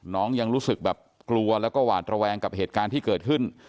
ยังรู้สึกแบบกลัวแล้วก็หวาดระแวงกับเหตุการณ์ที่เกิดขึ้น